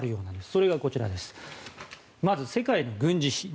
それがこちらまず世界の軍事費。